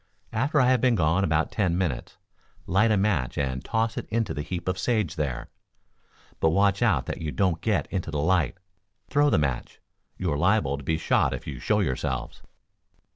After I have been gone about ten minutes, light a match and toss it into the heap of sage there, but watch out that you don't get into the light. Throw the match. You're liable to be shot if you show yourselves."